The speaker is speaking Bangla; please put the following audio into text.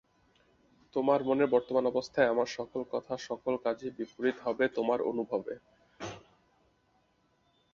তোমার মনের বর্তমান অবস্থায় আমার সকল কথা সকল কাজই বিপরীত হবে তোমার অনুভবে।